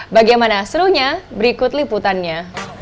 bagaimana serunya berikut liputannya